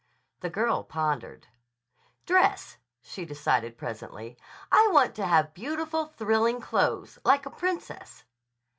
The girl pondered. "Dress," she decided presently. "I want to have beautiful, thrilling clothes, like a princess."